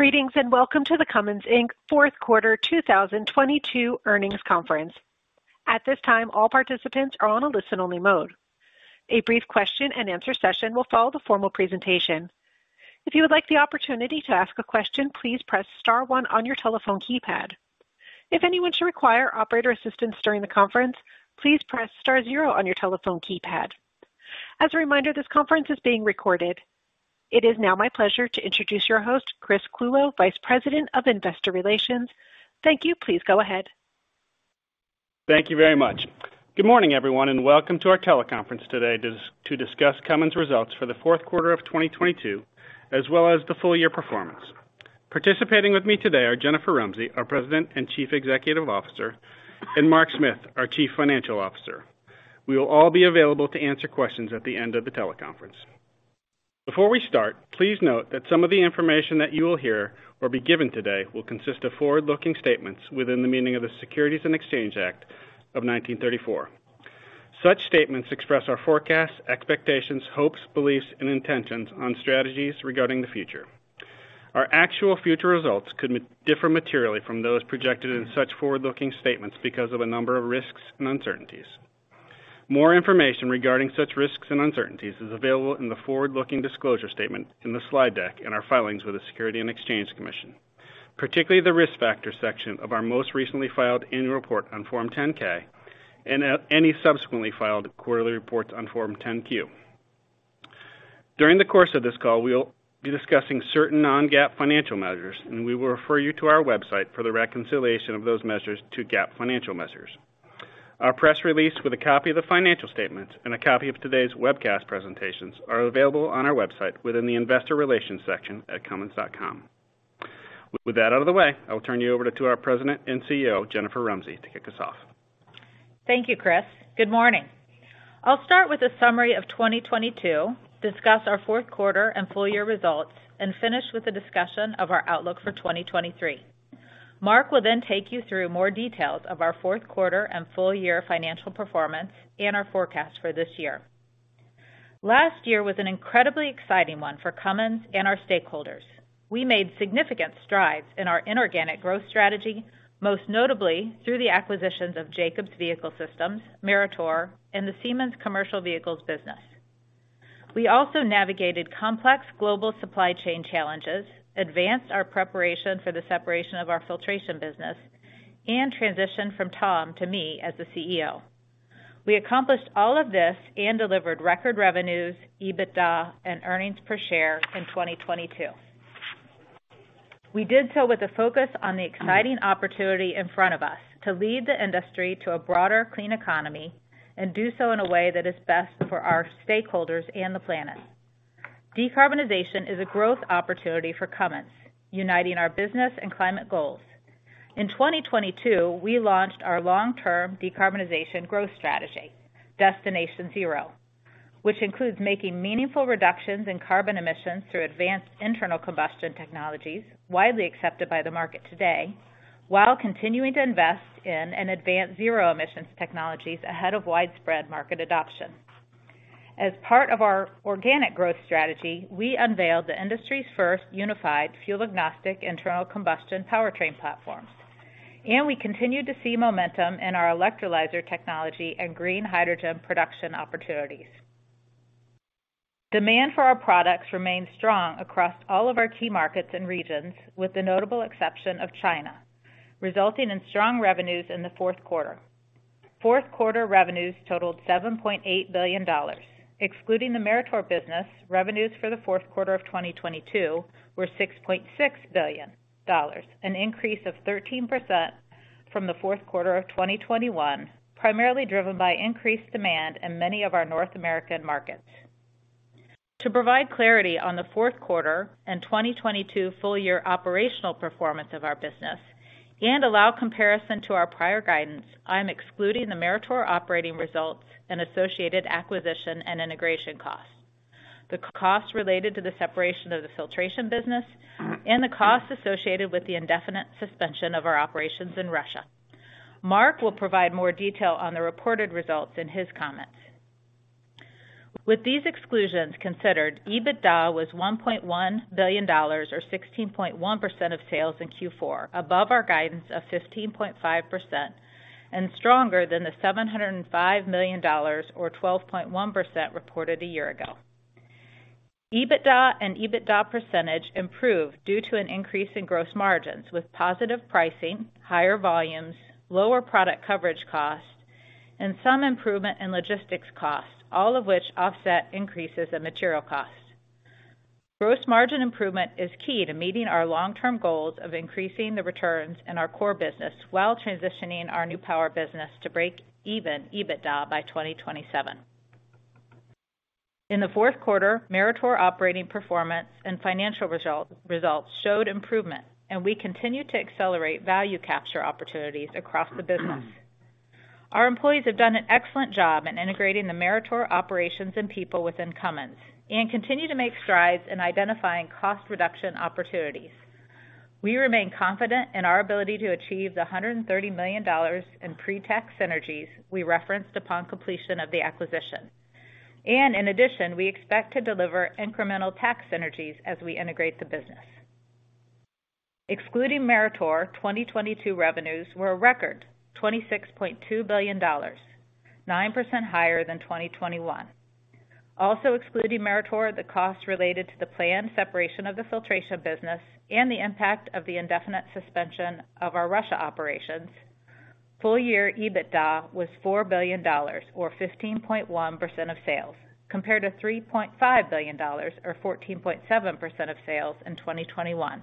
Greetings, and welcome to the Cummins Inc. fourth quarter 2022 earnings conference. At this time, all participants are on a listen-only mode. A brief question and answer session will follow the formal presentation. If you would like the opportunity to ask a question, please press star one on your telephone keypad. If anyone should require operator assistance during the conference, please press star zero on your telephone keypad. As a reminder, this conference is being recorded. It is now my pleasure to introduce your host, Chris Clulow, Vice President of Investor Relations. Thank you. Please go ahead. Thank you very much. Good morning, everyone, and welcome to our teleconference today to discuss Cummins results for the fourth quarter of 2022, as well as the full year performance. Participating with me today are Jennifer Rumsey, our President and Chief Executive Officer, and Mark Smith, our Chief Financial Officer. We will all be available to answer questions at the end of the teleconference. Before we start, please note that some of the information that you will hear or be given today will consist of forward-looking statements within the meaning of the Securities Exchange Act of 1934. Such statements express our forecasts, expectations, hopes, beliefs, and intentions on strategies regarding the future. Our actual future results could differ materially from those projected in such forward-looking statements because of a number of risks and uncertainties. More information regarding such risks and uncertainties is available in the forward-looking disclosure statement in the slide deck in our filings with the Securities and Exchange Commission, particularly the Risk Factors section of our most recently filed annual report on Form 10-K and any subsequently filed quarterly reports on Form 10-Q. During the course of this call, we'll be discussing certain non-GAAP financial measures, and we will refer you to our website for the reconciliation of those measures to GAAP financial measures. Our press release with a copy of the financial statements and a copy of today's webcast presentations are available on our website within the Investor Relations section at cummins.com. With that out of the way, I will turn you over to our President and CEO, Jennifer Rumsey to kick us off. Thank you Chris. Good morning. I'll start with a summary of 2022, discuss our fourth quarter and full year results, and finish with a discussion of our outlook for 2023. Mark will then take you through more details of our fourth quarter and full year financial performance and our forecast for this year. Last year was an incredibly exciting one for Cummins and our stakeholders. We made significant strides in our inorganic growth strategy, most notably through the acquisitions of Jacobs Vehicle Systems, Meritor, and the Siemens' Commercial Vehicles business. We also navigated complex global supply chain challenges, advanced our preparation for the separation of our filtration business, and transitioned from Tom to me as the CEO. We accomplished all of this and delivered record revenues, EBITDA, and earnings per share in 2022. We did so with a focus on the exciting opportunity in front of us to lead the industry to a broader clean economy and do so in a way that is best for our stakeholders and the planet. Decarbonization is a growth opportunity for Cummins, uniting our business and climate goals. In 2022, we launched our long-term decarbonization growth strategy, Destination Zero, which includes making meaningful reductions in carbon emissions through advanced internal combustion technologies, widely accepted by the market today, while continuing to invest in an advanced zero emissions technologies ahead of widespread market adoption. As part of our organic growth strategy, we unveiled the industry's first unified fuel agnostic internal combustion powertrain platform. We continued to see momentum in our electrolyzer technology and green hydrogen production opportunities. Demand for our products remained strong across all of our key markets and regions, with the notable exception of China, resulting in strong revenues in the fourth quarter. Fourth quarter revenues totaled $7.8 billion. Excluding the Meritor business, revenues for the fourth quarter of 2022 were $6.6 billion, an increase of 13% from the fourth quarter of 2021, primarily driven by increased demand in many of our North American markets. To provide clarity on the fourth quarter and 2022 full year operational performance of our business and allow comparison to our prior guidance, I am excluding the Meritor operating results and associated acquisition and integration costs, the costs related to the separation of the filtration business, and the costs associated with the indefinite suspension of our operations in Russia. Mark will provide more detail on the reported results in his comments. With these exclusions considered, EBITDA was $1.1 billion or 16.1% of sales in Q4, above our guidance of 15.5% and stronger than the $705 million or 12.1% reported a year ago. EBITDA and EBITDA percentage improved due to an increase in gross margins with positive pricing, higher volumes, lower product coverage costs, and some improvement in logistics costs, all of which offset increases in material costs. Gross margin improvement is key to meeting our long-term goals of increasing the returns in our core business while transitioning our New Power business to break even EBITDA by 2027. In the fourth quarter, Meritor operating performance and financial results showed improvement, we continue to accelerate value capture opportunities across the business. Our employees have done an excellent job in integrating the Meritor operations and people within Cummins and continue to make strides in identifying cost reduction opportunities. We remain confident in our ability to achieve the $130 million in pre-tax synergies we referenced upon completion of the acquisition. In addition, we expect to deliver incremental tax synergies as we integrate the business. Excluding Meritor, 2022 revenues were a record $26.2 billion, 9% higher than 2021. Also excluding Meritor, the cost related to the planned separation of the filtration business and the impact of the indefinite suspension of our Russia operations, full year EBITDA was $4 billion, or 15.1% of sales, compared to $3.5 billion, or 14.7% of sales in 2021.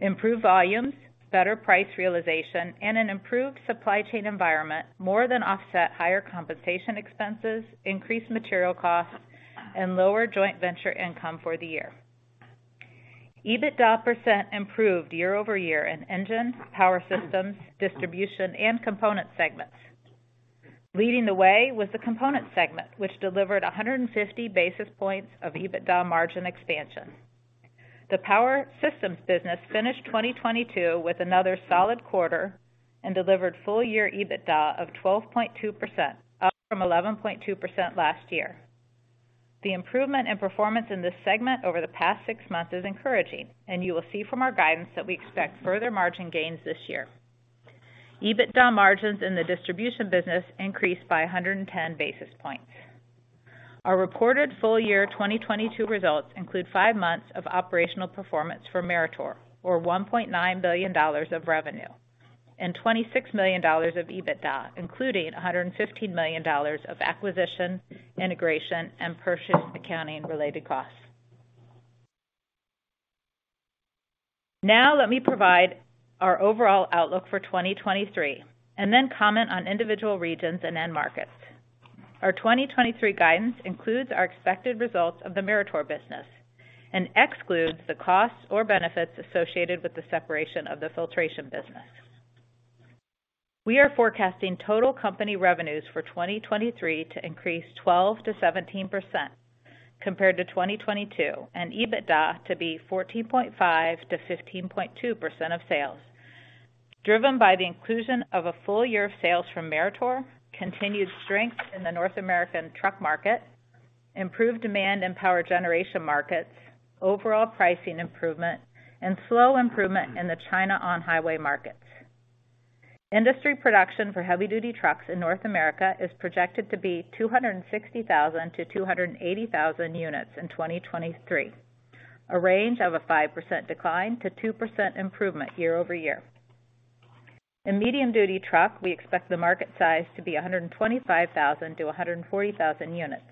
Improved volumes, better price realization, and an improved supply chain environment more than offset higher compensation expenses, increased material costs, and lower joint venture income for the year. EBITDA % improved year-over-year in engine, power systems, distribution, and component segments. Leading the way was the component segment, which delivered 150 basis points of EBITDA margin expansion. The power systems business finished 2022 with another solid quarter and delivered full year EBITDA of 12.2%, up from 11.2% last year. The improvement in performance in this segment over the past six months is encouraging. You will see from our guidance that we expect further margin gains this year. EBITDA margins in the distribution business increased by 110 basis points. Our reported full year 2022 results include five months of operational performance for Meritor, or $1.9 billion of revenue and $26 million of EBITDA, including $115 million of acquisition, integration, and purchase accounting related costs. Let me provide our overall outlook for 2023 and then comment on individual regions and end markets. Our 2023 guidance includes our expected results of the Meritor business and excludes the costs or benefits associated with the separation of the filtration business. We are forecasting total company revenues for 2023 to increase 12%-17% compared to 2022, and EBITDA to be 14.5%-15.2% of sales, driven by the inclusion of a full year of sales from Meritor, continued strength in the North American truck market, improved demand in power generation markets, overall pricing improvement, and slow improvement in the China on-highway markets. Industry production for heavy duty trucks in North America is projected to be 260,000-280,000 units in 2023, a range of a 5% decline to 2% improvement year-over-year. In medium duty truck, we expect the market size to be 125,000-140,000 units,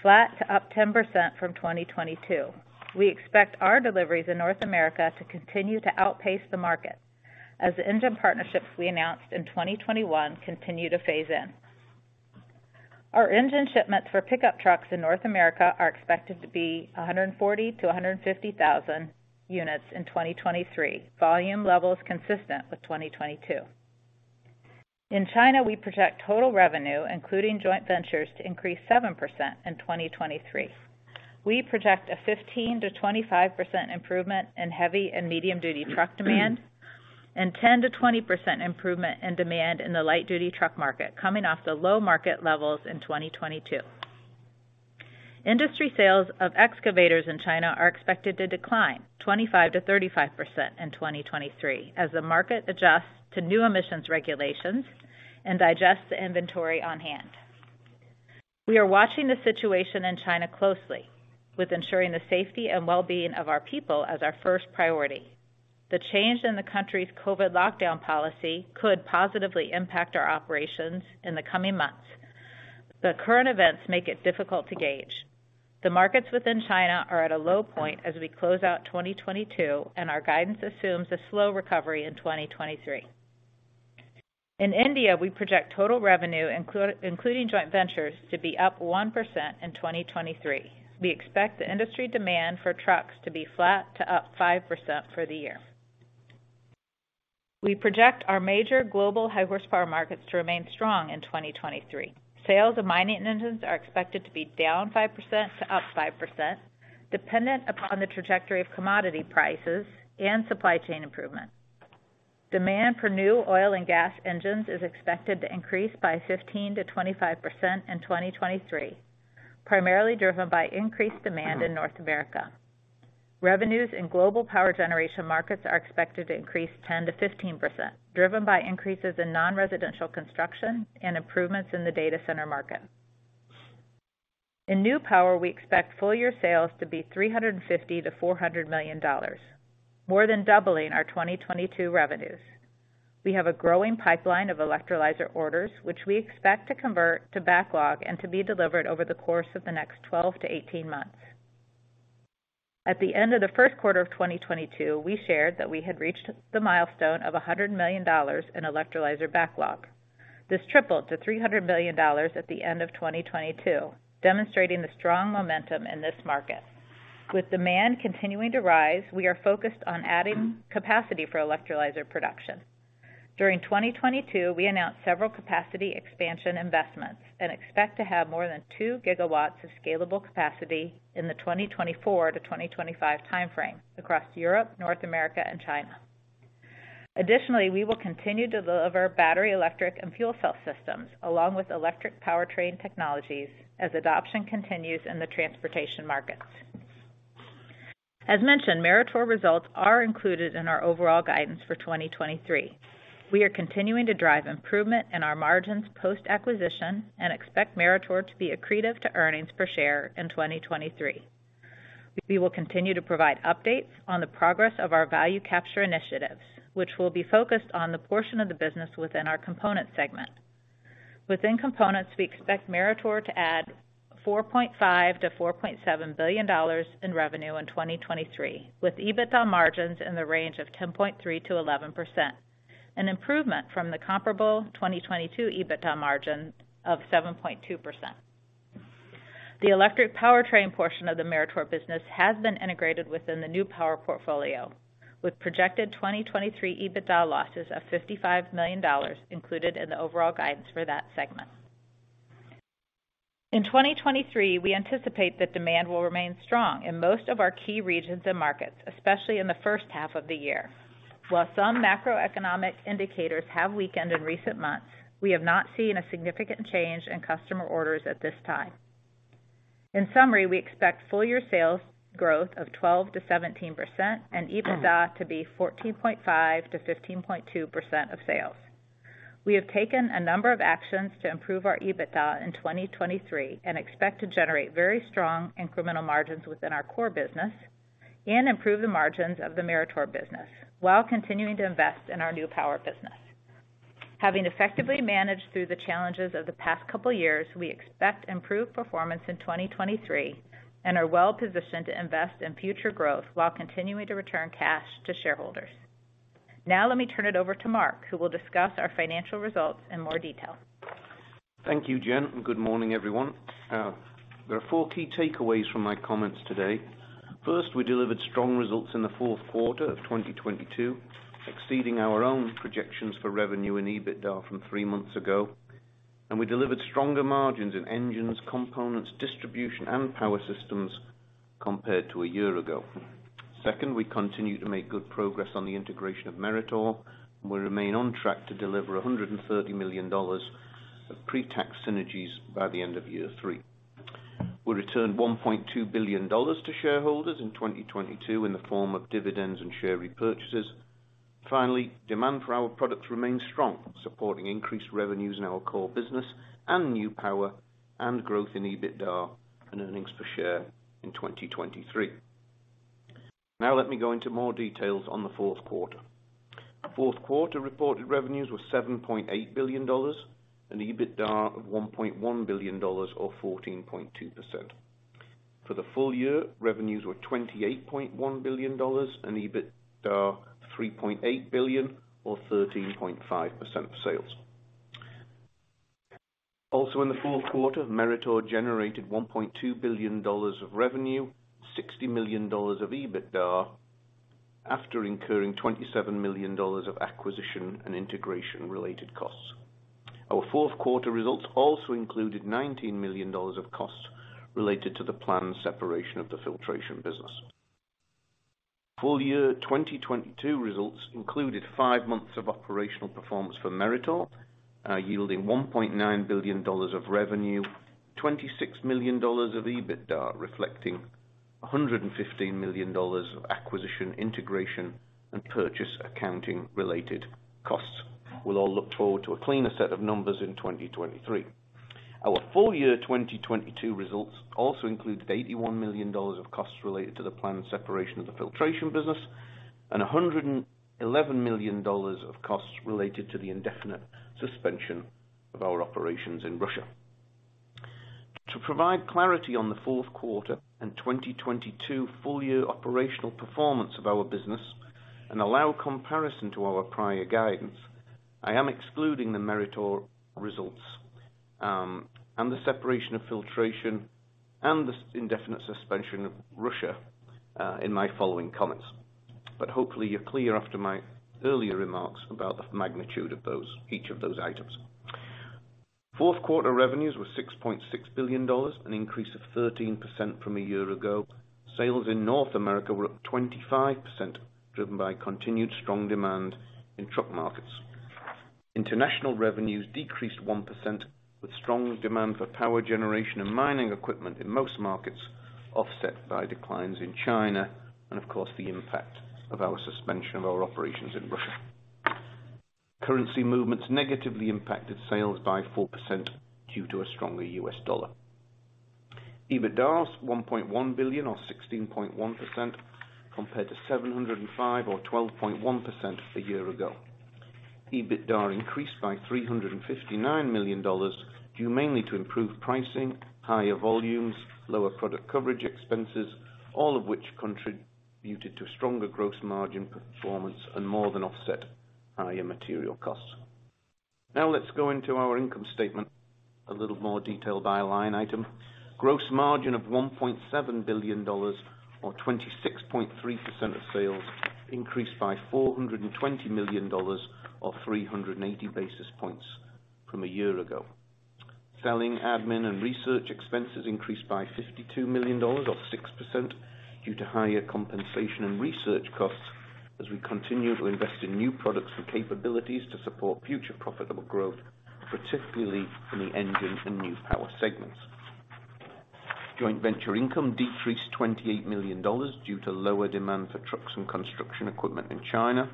flat to up 10% from 2022. We expect our deliveries in North America to continue to outpace the market as the engine partnerships we announced in 2021 continue to phase in. Our engine shipments for pickup trucks in North America are expected to be 140,000-150,000 units in 2023, volume levels consistent with 2022. In China, we project total revenue, including joint ventures, to increase 7% in 2023. We project a 15%-25% improvement in heavy and medium duty truck demand and 10%-20% improvement in demand in the light duty truck market coming off the low market levels in 2022. Industry sales of excavators in China are expected to decline 25%-35% in 2023 as the market adjusts to new emissions regulations and digests the inventory on hand. We are watching the situation in China closely with ensuring the safety and well-being of our people as our first priority. The change in the country's COVID lockdown policy could positively impact our operations in the coming months, current events make it difficult to gauge. The markets within China are at a low point as we close out 2022, our guidance assumes a slow recovery in 2023. In India, we project total revenue including joint ventures to be up 1% in 2023. We expect the industry demand for trucks to be flat to up 5% for the year. We project our major global high horsepower markets to remain strong in 2023. Sales of mining engines are expected to be down 5% to up 5%, dependent upon the trajectory of commodity prices and supply chain improvement. Demand for new oil and gas engines is expected to increase by 15%-25% in 2023, primarily driven by increased demand in North America. Revenues in global power generation markets are expected to increase 10%-15%, driven by increases in non-residential construction and improvements in the data center market. In New Power, we expect full year sales to be $350 million-$400 million, more than doubling our 2022 revenues. We have a growing pipeline of electrolyzer orders, which we expect to convert to backlog and to be delivered over the course of the next 12-18 months. At the end of the first quarter of 2022, we shared that we had reached the milestone of $100 million in electrolyzer backlog. This tripled to $300 million at the end of 2022, demonstrating the strong momentum in this market. With demand continuing to rise, we are focused on adding capacity for electrolyzer production. During 2022, we announced several capacity expansion investments and expect to have more than 2 GW of scalable capacity in the 2024-2025 time frame across Europe, North America, and China. We will continue to deliver battery, electric and fuel cell systems along with electric powertrain technologies as adoption continues in the transportation markets. As mentioned, Meritor results are included in our overall guidance for 2023. We are continuing to drive improvement in our margins post-acquisition and expect Meritor to be accretive to EPS in 2023. We will continue to provide updates on the progress of our value capture initiatives, which will be focused on the portion of the business within our components segment. Within components, we expect Meritor to add $4.5 billion-$4.7 billion in revenue in 2023, with EBITDA margins in the range of 10.3%-11%, an improvement from the comparable 2022 EBITDA margin of 7.2%. The electric powertrain portion of the Meritor business has been integrated within the New Power portfolio, with projected 2023 EBITDA losses of $55 million included in the overall guidance for that segment. In 2023, we anticipate that demand will remain strong in most of our key regions and markets, especially in the first half of the year. While some macroeconomic indicators have weakened in recent months, we have not seen a significant change in customer orders at this time. In summary, we expect full year sales growth of 12%-17% and EBITDA to be 14.5%-15.2% of sales. We have taken a number of actions to improve our EBITDA in 2023 and expect to generate very strong incremental margins within our core business and improve the margins of the Meritor business while continuing to invest in our New Power business. Having effectively managed through the challenges of the past couple of years, we expect improved performance in 2023 and are well positioned to invest in future growth while continuing to return cash to shareholders. Let me turn it over to Mark, who will discuss our financial results in more detail. Thank you Jen, and good morning everyone. There are four key takeaways from my comments today. First, we delivered strong results in the fourth quarter of 2022, exceeding our own projections for revenue and EBITDA from three months ago. We delivered stronger margins in engines, components, distribution and power systems compared to a year ago. Second, we continue to make good progress on the integration of Meritor, and we remain on track to deliver $130 million of pre-tax synergies by the end of year three. We returned $1.2 billion to shareholders in 2022 in the form of dividends and share repurchases. Finally, demand for our products remains strong, supporting increased revenues in our core business and New Power and growth in EBITDA and earnings per share in 2023. Let me go into more details on the fourth quarter. Fourth quarter reported revenues were $7.8 billion, an EBITDA of $1.1 billion or 14.2%. For the full year, revenues were $28.1 billion and EBITDA $3.8 billion or 13.5% of sales. In the fourth quarter, Meritor generated $1.2 billion of revenue, $60 million of EBITDA after incurring $27 million of acquisition and integration related costs. Our fourth quarter results also included $19 million of costs related to the planned separation of the filtration business. Full year 2022 results included five months of operational performance for Meritor, yielding $1.9 billion of revenue, $26 million of EBITDA, reflecting $115 million of acquisition, integration and purchase accounting-related costs. We'll all look forward to a cleaner set of numbers in 2023. Our full year 2022 results also included $81 million of costs related to the planned separation of the filtration business and $111 million of costs related to the indefinite suspension of our operations in Russia. To provide clarity on the fourth quarter and 2022 full year operational performance of our business and allow comparison to our prior guidance, I am excluding the Meritor results, and the separation of filtration and the indefinite suspension of Russia in my following comments. Hopefully you're clear after my earlier remarks about the magnitude of those, each of those items. Fourth quarter revenues were $6.6 billion, an increase of 13% from a year ago. Sales in North America were up 25%, driven by continued strong demand in truck markets. International revenues decreased 1%, with strong demand for power generation and mining equipment in most markets, offset by declines in China and of course, the impact of our suspension of our operations in Russia. Currency movements negatively impacted sales by 4% due to a stronger U.S. dollar. EBITDA was $1.1 billion or 16.1% compared to $705 million or 12.1% a year ago. EBITDA increased by $359 million, due mainly to improved pricing, higher volumes, lower product coverage expenses, all of which contributed to stronger gross margin performance and more than offset higher material costs. Let's go into our income statement a little more detailed by line item. Gross margin of $1.7 billion or 26.3% of sales increased by $420 million or 380 basis points from a year ago. Selling admin and research expenses increased by $52 million, or 6%, due to higher compensation and research costs as we continue to invest in new products and capabilities to support future profitable growth, particularly in the engine and New Power segments. Joint venture income decreased $28 million due to lower demand for trucks and construction equipment in China.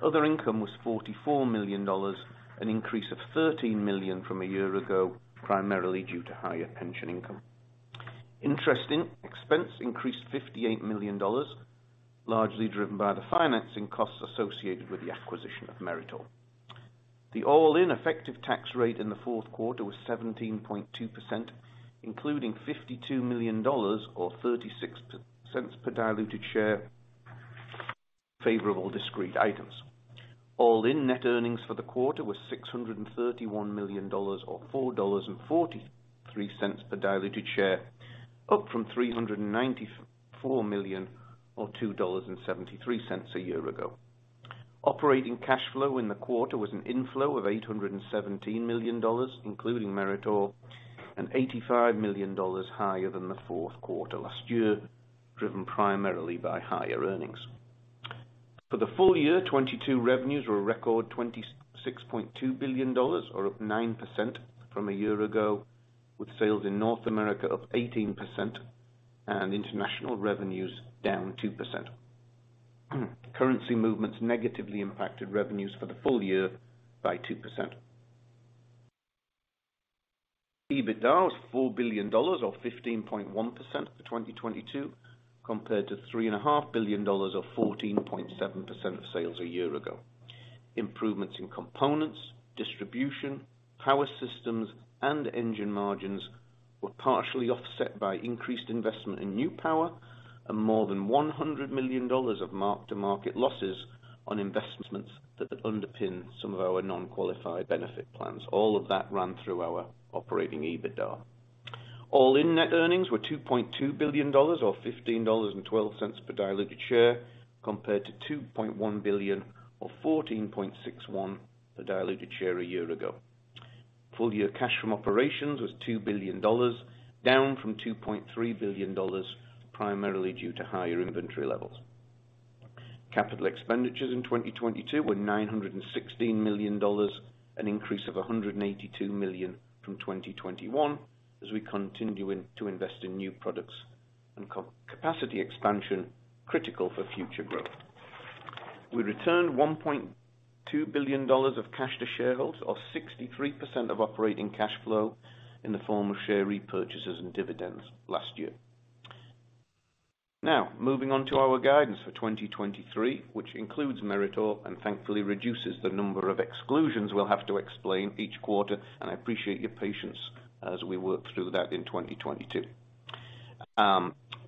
Other income was $44 million, an increase of $13 million from a year ago, primarily due to higher pension income. Interest expense increased $58 million, largely driven by the financing costs associated with the acquisition of Meritor. The all-in effective tax rate in the fourth quarter was 17.2%, including $52 million or $0.36 per diluted share, favorable discrete items. All in net earnings for the quarter was $631 million or $4.43 per diluted share, up from $394 million or $2.73 a year ago. Operating cash flow in the quarter was an inflow of $817 million, including Meritor, and $85 million higher than the fourth quarter last year, driven primarily by higher earnings. For the full year, 2022 revenues were a record $26.2 billion or up 9% from a year ago, with sales in North America up 18% and international revenues down 2%. Currency movements negatively impacted revenues for the full year by 2%. EBITDA was $4 billion or 15.1% for 2022, compared to three and a half billion dollars or 14.7% of sales a year ago. Improvements in components, distribution, power systems, and engine margins were partially offset by increased investment in New Power and more than $100 million of mark-to-market losses on investments that underpin some of our non-qualified benefit plans. All of that ran through our operating EBITDA. All-in net earnings were $2.2 billion or $15.12 per diluted share, compared to $2.1 billion or $14.61 per diluted share a year ago. Full year cash from operations was $2 billion, down from $2.3 billion, primarily due to higher inventory levels. Capital expenditures in 2022 were $916 million, an increase of $182 million from 2021 as we continue to invest in new products and capacity expansion critical for future growth. We returned $1.2 billion of cash to shareholders, or 63% of operating cash flow in the form of share repurchases and dividends last year. Moving on to our guidance for 2023, which includes Meritor and thankfully reduces the number of exclusions we'll have to explain each quarter, and I appreciate your patience as we work through that in 2022.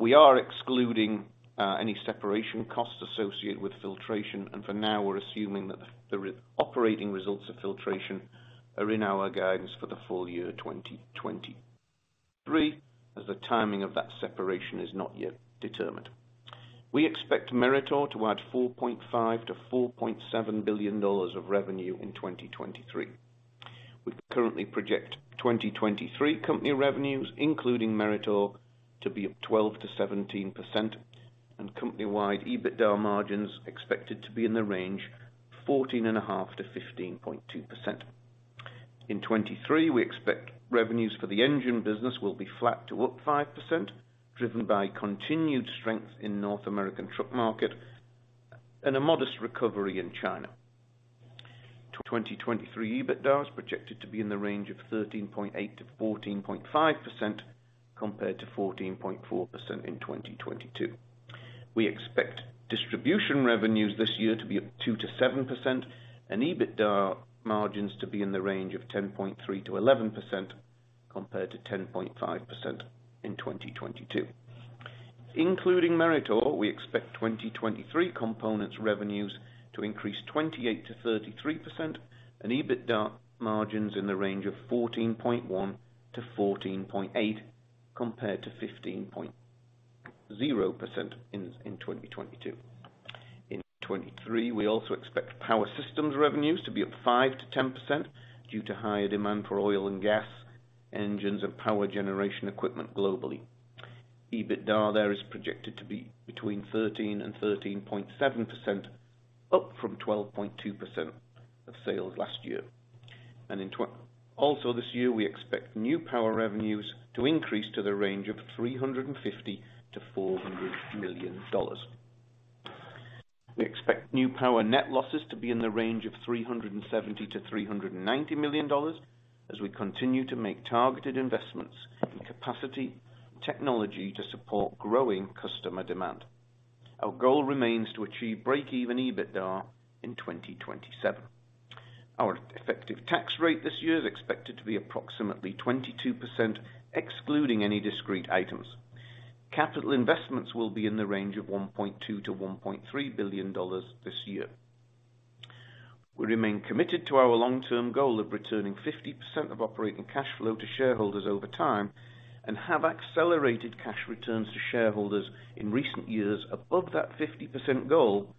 We are excluding any separation costs associated with filtration, and for now we're assuming that the operating results of filtration are in our guidance for the full year 2023, as the timing of that separation is not yet determined. We expect Meritor to add $4.5 billion-$4.7 billion of revenue in 2023. We currently project 2023 company revenues, including Meritor, to be up 12%-17% and company-wide EBITDA margins expected to be in the range 14.5%-15.2%. In 2023, we expect revenues for the engine business will be flat to up 5%, driven by continued strength in North American truck market and a modest recovery in China. 2023 EBITDA is projected to be in the range of 13.8%-14.5%, compared to 14.4% in 2022. We expect distribution revenues this year to be up 2%-7%, and EBITDA margins to be in the range of 10.3%-11%, compared to 10.5% in 2022. Including Meritor, we expect 2023 components revenues to increase 28%-33%, and EBITDA margins in the range of 14.1%-14.8%, compared to 15.0% in 2022. In 2023, we also expect power systems revenues to be up 5%-10% due to higher demand for oil and gas engines and power generation equipment globally. EBITDA there is projected to be between 13%-13.7%, up from 12.2% of sales last year. Also this year, we expect New Power revenues to increase to the range of $350 million-$400 million. We expect New Power net losses to be in the range of $370 million-$390 million as we continue to make targeted investments in capacity technology to support growing customer demand. Our goal remains to achieve break even EBITDA in 2027. Our effective tax rate this year is expected to be approximately 22%, excluding any discrete items. Capital investments will be in the range of $1.2 billion-$1.3 billion this year. We remain committed to our long-term goal of returning 50% of operating cash flow to shareholders over time and have accelerated cash returns to shareholders in recent years above that 50% goal.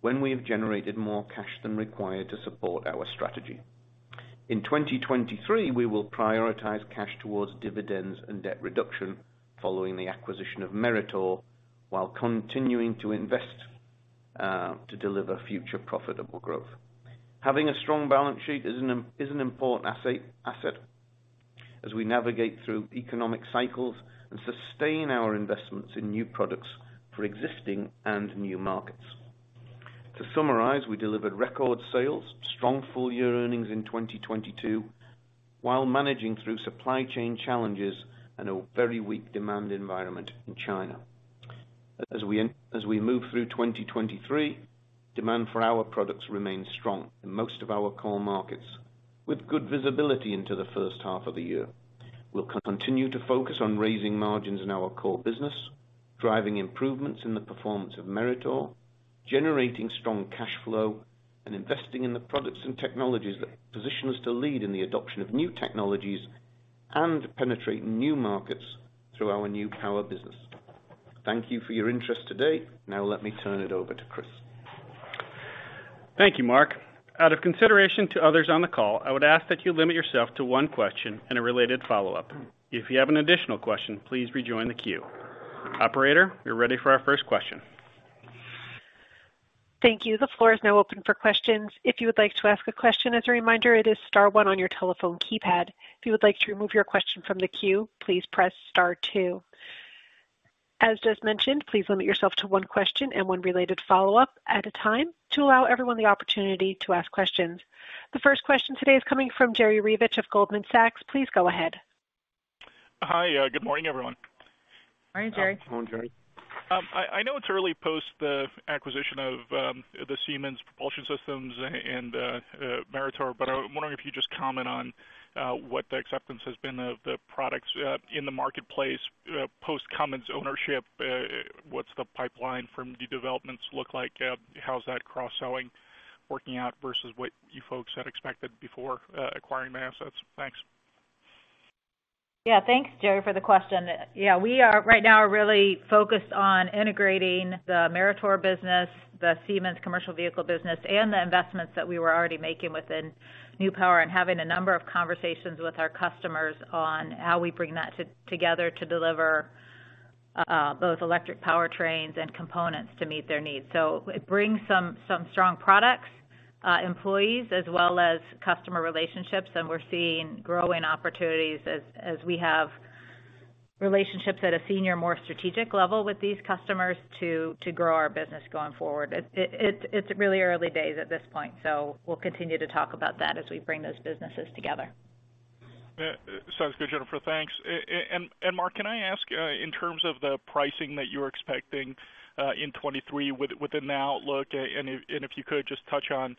When we have generated more cash than required to support our strategy. In 2023, we will prioritize cash towards dividends and debt reduction following the acquisition of Meritor while continuing to invest to deliver future profitable growth. Having a strong balance sheet is an important asset as we navigate through economic cycles and sustain our investments in new products for existing and new markets. To summarize, we delivered record sales, strong full year earnings in 2022 while managing through supply chain challenges and a very weak demand environment in China. As we move through 2023, demand for our products remains strong in most of our core markets with good visibility into the first half of the year. We'll continue to focus on raising margins in our core business, driving improvements in the performance of Meritor, generating strong cash flow, and investing in the products and technologies that position us to lead in the adoption of new technologies and penetrate new markets through our New Power business. Thank you for your interest today. Let me turn it over to Chris. Thank you Mark. Out of consideration to others on the call, I would ask that you limit yourself to one question and a related follow-up. If you have an additional question, please rejoin the queue. Operator, we're ready for our first question. Thank you. The floor is now open for questions. If you would like to ask a question, as a reminder, it is star one on your telephone keypad. If you would like to remove your question from the queue, please press star two. As just mentioned, please limit yourself to one question and one related follow-up at a time to allow everyone the opportunity to ask questions. The first question today is coming from Jerry Revich of Goldman Sachs. Please go ahead. Hi. Good morning everyone. Morning Jerry Revich. Morning Jerry. I know it's early post the acquisition of the Siemens Propulsion Systems and Meritor, but I'm wondering if you just comment on what the acceptance has been of the products in the marketplace post Cummins ownership. What's the pipeline from the developments look like? How's that cross-selling working out versus what you folks had expected before acquiring the assets? Thanks. Thanks Jerry, for the question. We are right now really focused on integrating the Meritor business, the Siemens' Commercial Vehicles business, and the investments that we were already making within New Power and having a number of conversations with our customers on how we bring that together to deliver both electric powertrains and components to meet their needs. It brings some strong products, employees as well as customer relationships, and we're seeing growing opportunities as we have relationships at a senior, more strategic level with these customers to grow our business going forward. It's really early days at this point, we'll continue to talk about that as we bring those businesses together. Yeah sounds good Jennifer. Thanks. Mark can I ask, in terms of the pricing that you're expecting in 2023 with within the outlook, and if you could just touch on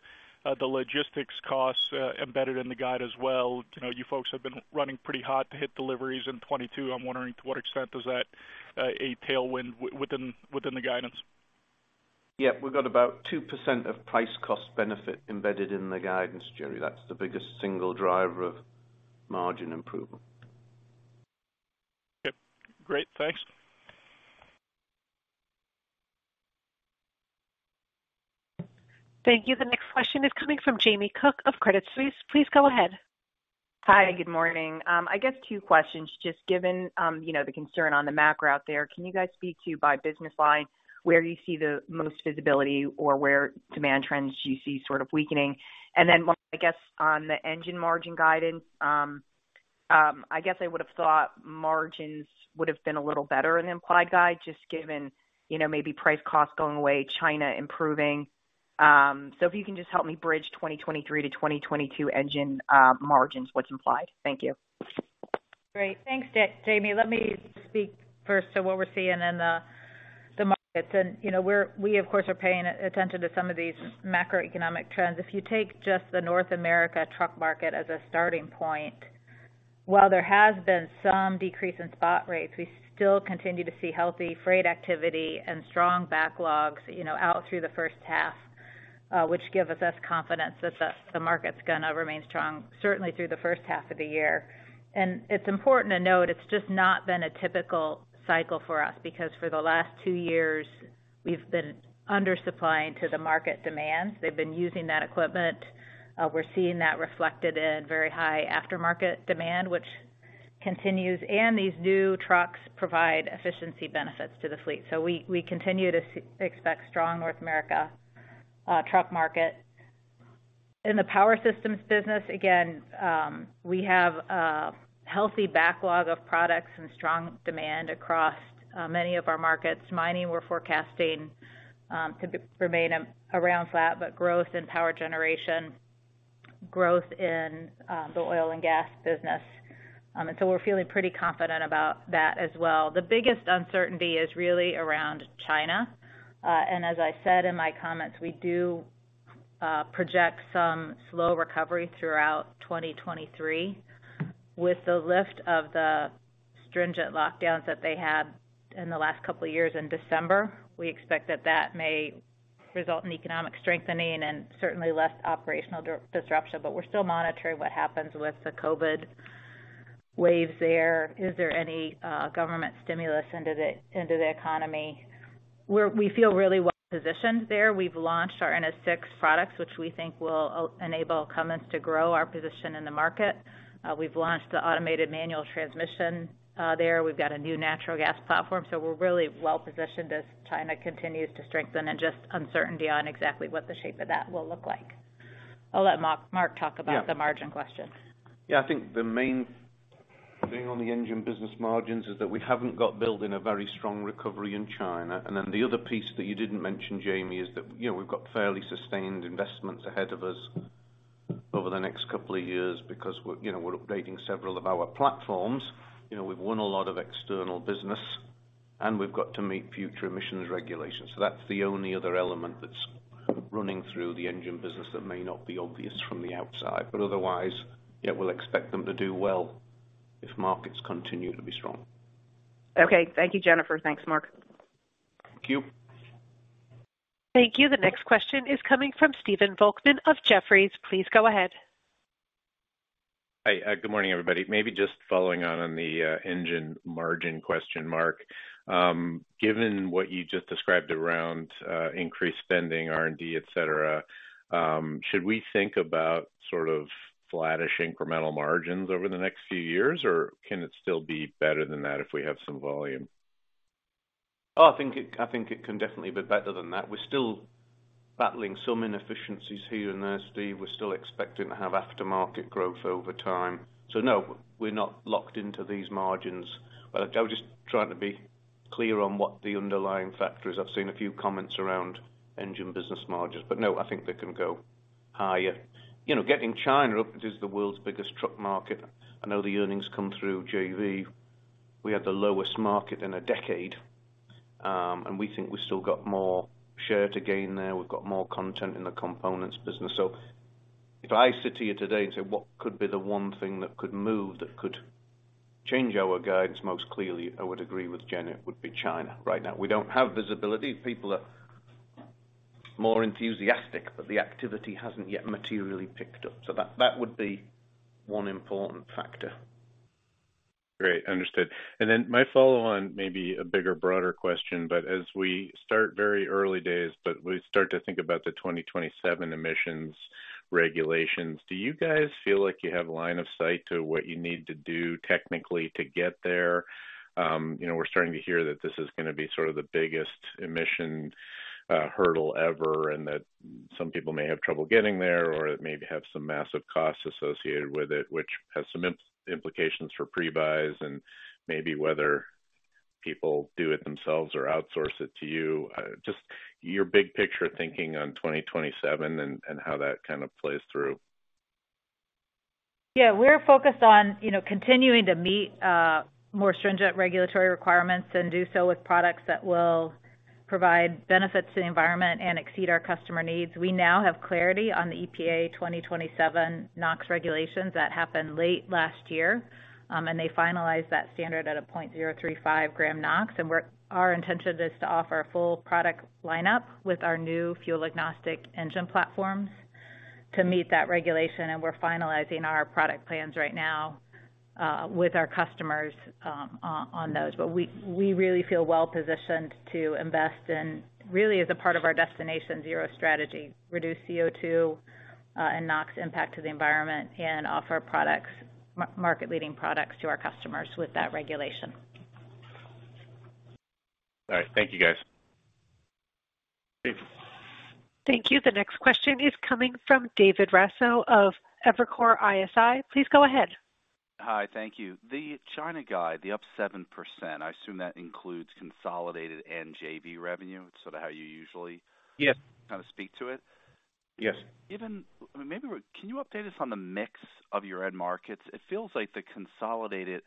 the logistics costs embedded in the guide as well. You know, you folks have been running pretty hot to hit deliveries in 2022. I'm wondering to what extent is that a tailwind within the guidance? Yeah. We've got about 2% of price cost benefit embedded in the guidance Jerry. That's the biggest single driver of margin improvement. Yep great. Thanks. Thank you. The next question is coming from Jamie Cook of Credit Suisse. Please go ahead. Hi good morning. I guess two questions. Just given, you know, the concern on the macro out there, can you guys speak to by business line where you see the most visibility or where demand trends you see sort of weakening? One, I guess, on the engine margin guidance, I guess I would have thought margins would have been a little better in the implied guide, just given, you know, maybe price cost going away, China improving. If you can just help me bridge 2023 to 2022 engine margins, what's implied? Thank you. Great. Thanks Jamie. Let me speak first to what we're seeing in the markets. You know, we of course, are paying attention to some of these macroeconomic trends. If you take just the North America truck market as a starting point, while there has been some decrease in spot rates, we still continue to see healthy freight activity and strong backlogs, you know, out through the first half, which gives us confidence that the market's gonna remain strong certainly through the first half of the year. It's important to note it's just not been a typical cycle for us because for the last two years we've been undersupplying to the market demand. They've been using that equipment. We're seeing that reflected in very high aftermarket demand, which continues, and these new trucks provide efficiency benefits to the fleet. We continue to expect strong North America truck market. In the power systems business, again, we have a healthy backlog of products and strong demand across many of our markets. Mining, we're forecasting to remain around flat, but growth in power generation, growth in the oil and gas business. We're feeling pretty confident about that as well. The biggest uncertainty is really around China. As I said in my comments, we do project some slow recovery throughout 2023. With the lift of the stringent lockdowns that they had in the last couple of years in December, we expect that that may result in economic strengthening and certainly less operational disruption. We're still monitoring what happens with the COVID waves there. Is there any government stimulus into the economy? We feel really well positioned there. We've launched our NS6 products, which we think will enable Cummins to grow our position in the market. We've launched the automated manual transmission there. We've got a new natural gas platform. We're really well positioned as China continues to strengthen and just uncertainty on exactly what the shape of that will look like. I'll let Mark talk about the margin question. Yeah yeah, I think the main thing on the engine business margins is that we haven't got built in a very strong recovery in China. The other piece that you didn't mention, Jamie, is that, you know, we've got fairly sustained investments ahead of us over the next couple of years because, you know, we're updating several of our platforms. We've won a lot of external business, and we've got to meet future emissions regulations. That's the only other element that's running through the engine business that may not be obvious from the outside, but otherwise, yeah, we'll expect them to do well if markets continue to be strong. Okay. Thank you Jennifer. Thanks Mark. Thank you. Thank you. The next question is coming from Stephen Volkmann of Jefferies. Please go ahead. Hi. Good morning everybody. Maybe just following on the engine margin question. Mark, given what you just described around increased spending, R&D, et cetera, should we think about sort of flattish incremental margins over the next few years? Can it still be better than that if we have some volume? I think it can definitely be better than that. We're still battling some inefficiencies here and there, Steve. We're still expecting to have aftermarket growth over time. No, we're not locked into these margins. I was just trying to be clear on what the underlying factor is. I've seen a few comments around engine business margins. No, I think they can go higher. You know, getting China up, it is the world's biggest truck market. I know the earnings come through JV. We had the lowest market in a decade. We think we still got more share to gain there. We've got more content in the components business. If I said to you today and say, what could be the one thing that could move, that could change our guidance, most clearly, I would agree with Jenny. It would be China right now. We don't have visibility. People are more enthusiastic, but the activity hasn't yet materially picked up. That, that would be one important factor. Great. Understood. My follow-on may be a bigger, broader question, but as we start very early days, but we start to think about the 2027 emissions regulations, do you guys feel like you have line of sight to what you need to do technically to get there? You know, we're starting to hear that this is gonna be sort of the biggest emission hurdle ever, and that some people may have trouble getting there or it may have some massive costs associated with it, which has some implications for pre-buys and maybe whether people do it themselves or outsource it to you. Just your big picture thinking on 2027 and how that kind of plays through. Yeah, we're focused on, you know, continuing to meet more stringent regulatory requirements and do so with products that will provide benefits to the environment and exceed our customer needs. We now have clarity on the EPA 2027 NOx regulations that happened late last year. They finalized that standard at 0.035 gram NOx. Our intention is to offer a full product lineup with our new fuel agnostic engine platforms to meet that regulation, and we're finalizing our product plans right now with our customers on those. We really feel well positioned to invest in really as a part of our Destination Zero strategy, reduce CO2 and NOx impact to the environment and offer products, market leading products to our customers with that regulation. All right. Thank you guys. Thanks. Thank you. The next question is coming from David Raso of Evercore ISI. Please go ahead. Hi. Thank you. The China guide, the up 7%, I assume that includes consolidated and JV revenue, sort of how you usually- Yes. kind of speak to it. Yes. Maybe, can you update us on the mix of your end markets? It feels like the consolidated,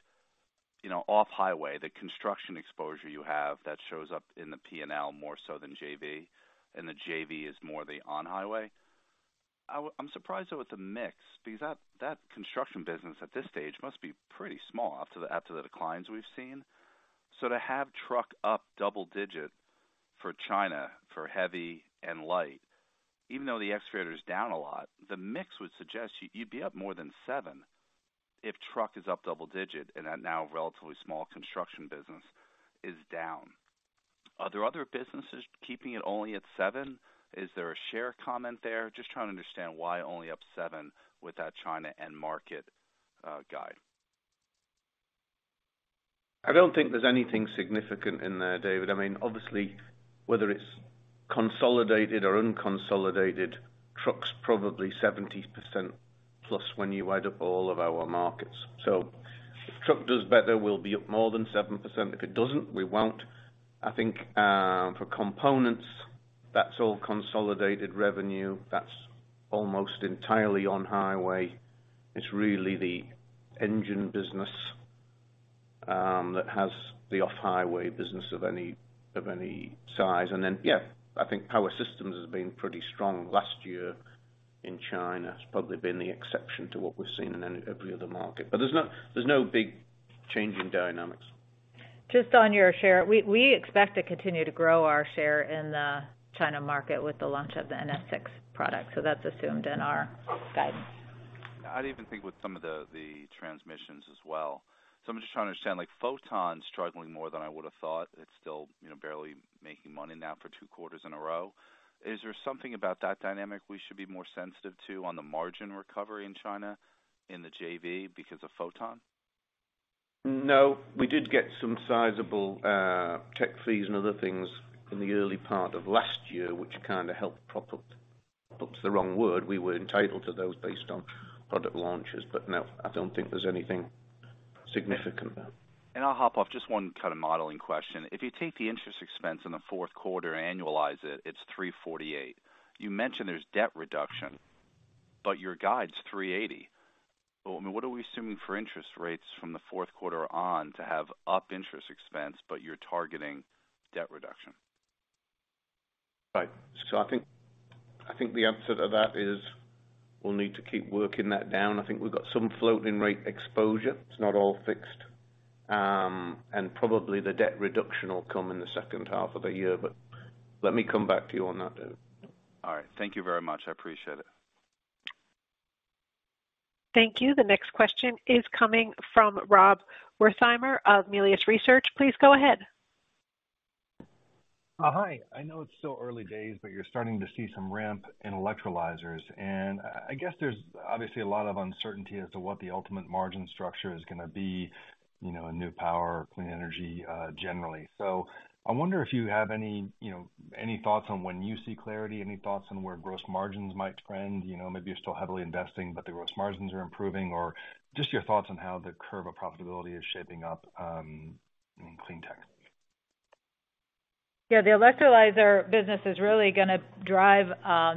you know, off-highway, the construction exposure you have that shows up in the P&L more so than JV, and the JV is more the on-highway. I'm surprised though with the mix because that construction business at this stage must be pretty small after the declines we've seen. To have truck up double digit for China, for heavy and light, even though the excavator is down a lot, the mix would suggest you'd be up more than seven if truck is up double digit and that now relatively small construction business is down. Are there other businesses keeping it only at seven? Is there a share comment there? Just trying to understand why only up seven with that China end market guide. I don't think there's anything significant in there, David. I mean, obviously, whether it's consolidated or unconsolidated, truck's probably 70% plus when you add up all of our markets. If truck does better, we'll be up more than 7%, if it doesn't, we won't. I think, for components, that's all consolidated revenue. That's almost entirely on highway. It's really the engine business that has the off highway business of any size. Yeah, I think Power Systems has been pretty strong last year in China. It's probably been the exception to what we've seen in every other market. There's no big change in dynamics. Just on your share, we expect to continue to grow our share in the China market with the launch of the NS6 product. That's assumed in our guidance. I'd even think with some of the transmissions as well. I'm just trying to understand, like Meritor's struggling more than I would have thought. It's still, you know, barely making money now for two quarters in a row. Is there something about that dynamic we should be more sensitive to on the margin recovery in China, in the JV because of Photon? No, we did get some sizable, tech fees and other things in the early part of last year, which kind of helped prop up is the wrong word. We were entitled to those based on product launches. No, I don't think there's anything significant there. I'll hop off. Just one kind of modeling question. If you take the interest expense in the fourth quarter, annualize it's $348. You mentioned there's debt reduction, but your guide's $380. I mean, what are we assuming for interest rates from the fourth quarter on to have up interest expense, but you're targeting debt reduction? Right. I think, I think the answer to that is we'll need to keep working that down. I think we've got some floating rate exposure. It's not all fixed. Probably the debt reduction will come in the second half of the year. Let me come back to you on that Dave. All right. Thank you very much. I appreciate it. Thank you. The next question is coming from Rob Wertheimer of Melius Research. Please go ahead. Hi. I know it's still early days, but you're starting to see some ramp in electrolyzers. I guess there's obviously a lot of uncertainty as to what the ultimate margin structure is gonna be, you know, in New Power or clean energy, generally. I wonder if you have any, you know, any thoughts on when you see clarity, any thoughts on where gross margins might trend. You know, maybe you're still heavily investing, but the gross margins are improving. Just your thoughts on how the curve of profitability is shaping up in clean tech. Yeah the electrolyzer business is really gonna drive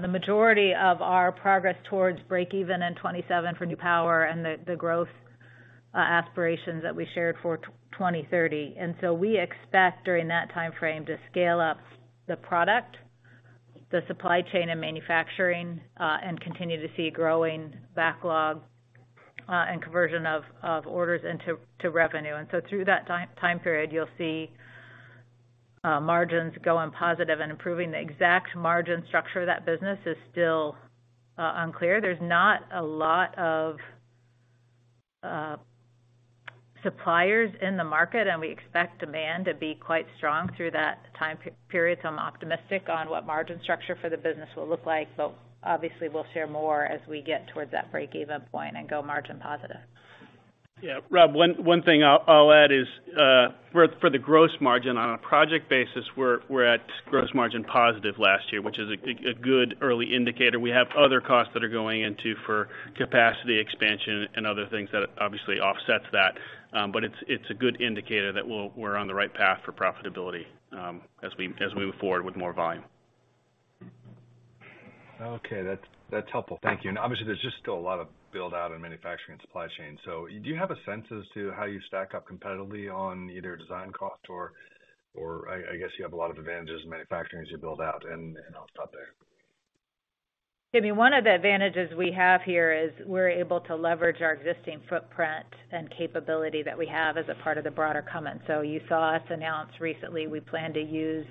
the majority of our progress towards break even in 2027 for New Power and the growth aspirations that we shared for 2030. We expect during that timeframe to scale up the product, the supply chain and manufacturing, and continue to see growing backlog and conversion of orders into revenue. Through that time period, you'll see margins going positive and improving. The exact margin structure of that business is still unclear. There's not a lot of suppliers in the market, and we expect demand to be quite strong through that time period. I'm optimistic on what margin structure for the business will look like, but obviously we'll share more as we get towards that break-even point and go margin positive. Rob, one thing I'll add is, for the gross margin on a project basis, we're at gross margin positive last year, which is a good early indicator. We have other costs that are going into for capacity expansion and other things that obviously offsets that. It's a good indicator that we're on the right path for profitability, as we move forward with more volume. Okay. That's helpful. Thank you. Obviously, there's just still a lot of build-out in manufacturing and supply chain. Do you have a sense as to how you stack up competitively on either design cost or I guess you have a lot of advantages in manufacturing as you build out and I'll stop there. I mean, one of the advantages we have here is we're able to leverage our existing footprint and capability that we have as a part of the broader Cummins. You saw us announce recently we plan to use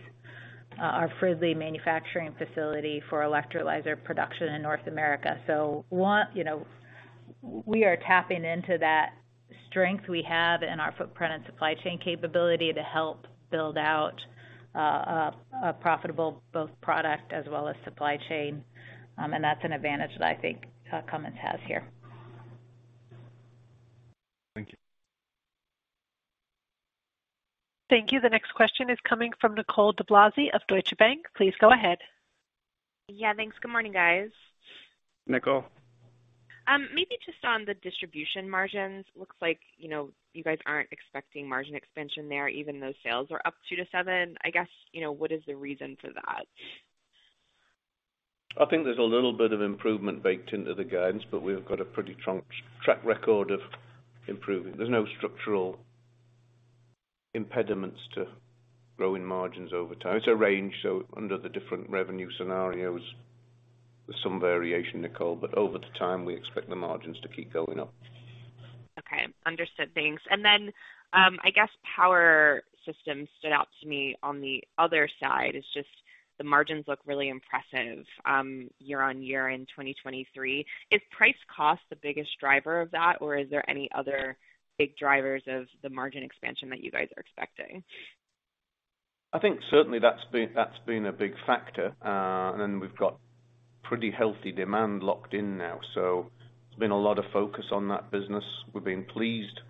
our Fridley manufacturing facility for electrolyzer production in North America. You know, we are tapping into that strength we have in our footprint and supply chain capability to help build out a profitable both product as well as supply chain. That's an advantage that I think Cummins has here. Thank you. Thank you. The next question is coming from Nicole DeBlase of Deutsche Bank. Please go ahead. Yeah, thanks. Good morning guys. Nicole. Maybe just on the distribution margins, looks like, you know, you guys aren't expecting margin expansion there, even though sales are up 2%-7%. I guess, you know, what is the reason for that? I think there's a little bit of improvement baked into the guidance, but we've got a pretty strong track record of improving. There's no structural impediments to growing margins over time. It's a range, so under the different revenue scenarios, there's some variation, Nicole, but over the time, we expect the margins to keep going up. Okay. Understood. Thanks. Then, I guess power systems stood out to me on the other side. It's just the margins look really impressive year-on-year in 2023. Is price cost the biggest driver of that, or is there any other big drivers of the margin expansion that you guys are expecting? I think certainly that's been, that's been a big factor. We've got pretty healthy demand locked in now. There's been a lot of focus on that business. We've been pleased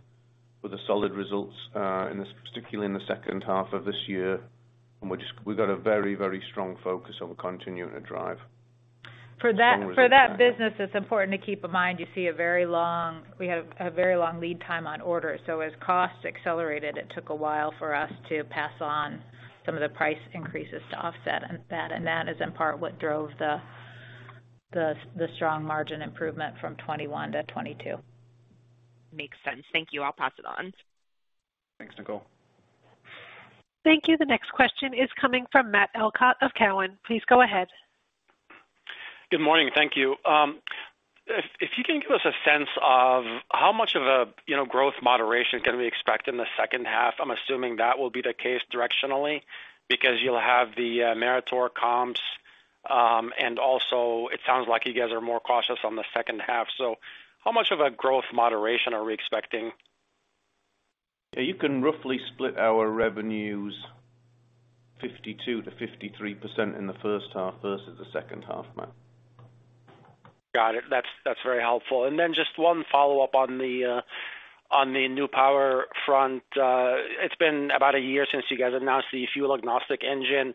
with the solid results, particularly in the second half of this year. We've got a very, very strong focus on continuing to drive. For that business, it's important to keep in mind we have a very long lead time on orders. As costs accelerated, it took a while for us to pass on some of the price increases to offset that. That is in part what drove the strong margin improvement from 21 to 22. Makes sense thank you. I'll pass it on. Thanks Nicole. Thank you. The next question is coming from Matt Elkott of Cowen. Please go ahead. Good morning. Thank you. If, if you can give us a sense of how much of a, you know, growth moderation can we expect in the second half? I'm assuming that will be the case directionally because you'll have the Meritor comps, and also it sounds like you guys are more cautious on the second half. How much of a growth moderation are we expecting? Yeah, you can roughly split our revenues 52%-53% in the first half versus the second half, Matt. Got it. That's very helpful. Just one follow-up on the on the New Power front. It's been about a year since you guys announced the fuel agnostic engine.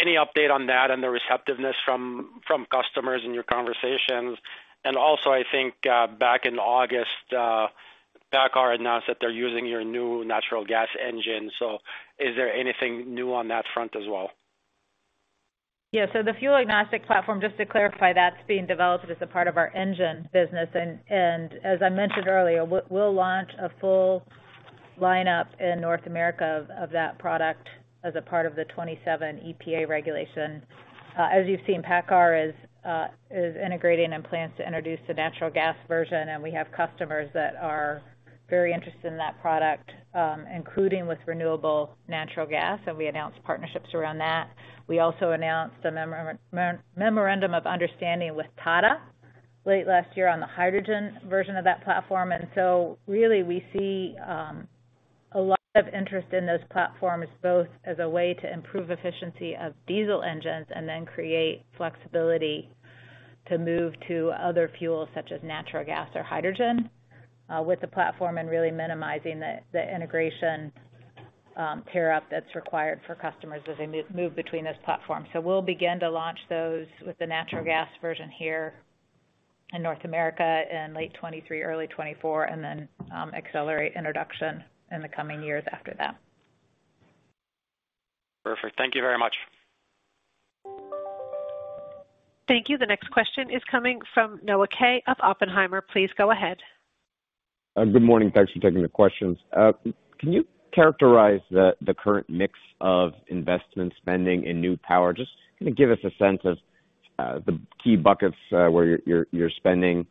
Any update on that and the receptiveness from customers in your conversations? Also, I think, back in August, PACCAR announced that they're using your new natural gas engine. Is there anything new on that front as well? Yeah. The fuel agnostic platform, just to clarify, that's being developed as a part of our engine business. As I mentioned earlier, we'll launch a full lineup in North America of that product as a part of the 2027 EPA regulation. As you've seen, PACCAR is integrating and plans to introduce the natural gas version, and we have customers that are very interested in that product, including with renewable natural gas, and we announced partnerships around that. We also announced a memorandum of understanding with Tata late last year on the hydrogen version of that platform. Really we see a lot of interest in those platforms, both as a way to improve efficiency of diesel engines and then create flexibility to move to other fuels such as natural gas or hydrogen with the platform and really minimizing the integration pair up that's required for customers as they move between those platforms. We'll begin to launch those with the natural gas version here in North America in late 2023, early 2024, and then accelerate introduction in the coming years after that. Perfect. Thank you very much. Thank you. The next question is coming from Noah Kaye of Oppenheimer. Please go ahead. Good morning. Thanks for taking the questions. Can you characterize the current mix of investment spending in New Power? Just kind of give us a sense of the key buckets, where you're spending.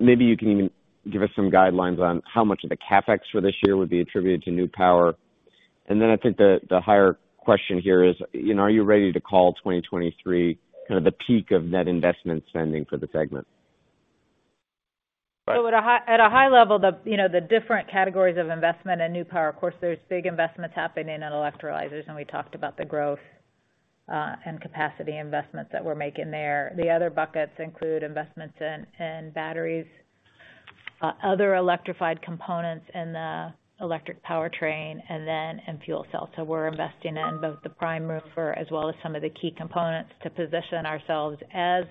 Maybe you can even give us some guidelines on how much of the CapEx for this year would be attributed to New Power. I think the higher question here is, you know, are you ready to call 2023 kind of the peak of net investment spending for the segment? At a high level, you know, the different categories of investment in New Power, of course, there's big investments happening in electrolyzers, and we talked about the growth and capacity investments that we're making there. The other buckets include investments in batteries, other electrified components in the electric powertrain and then in fuel cells. We're investing in both the prime mover as well as some of the key components to position ourselves as